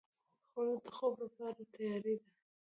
خوړل د خوب لپاره تیاري ده